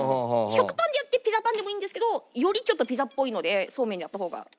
食パンでやってピザパンでもいいんですけどよりちょっとピザっぽいのでそうめんでやった方が。